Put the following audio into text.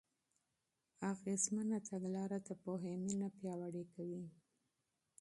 مؤثره تګلاره د پوهې مینه پیاوړې کوي.